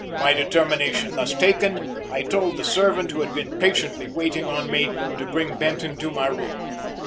My determination thus taken, I told the servant, who had been patiently waiting on me, to bring Benton to my room.